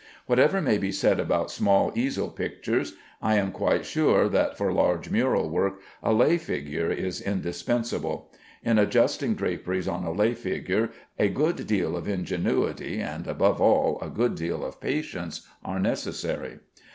Whatever may be said about small easel pictures, I am quite sure that for large mural work a lay figure is indispensable. In adjusting draperies on a lay figure a good deal of ingenuity, and, above all, a good deal of patience, are necessary.